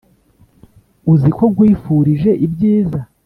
uziko nkwifurije ibyiza.